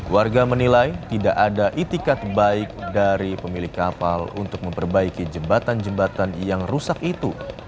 warga menilai tidak ada itikat baik dari pemilik kapal untuk memperbaiki jembatan jembatan yang rusak itu